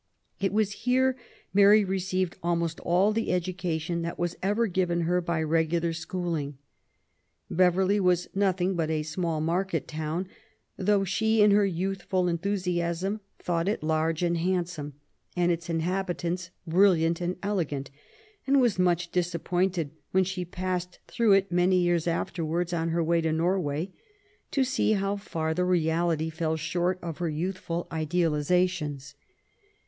It was here Mary received almost all the education that was ever given her by regular schooling. Beverly was nothing but a small market* town, though she in her youthful enthusiasm thought it large and handsome, and its inhabitants brilUant and elegant^ and was much disappointed when she passed through it many years afterwards^ on her way to Norway^ to see how far the reality fell short of her youthful idealizations.